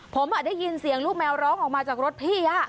ผมได้ยินเสียงลูกแมวร้องออกมาจากรถพี่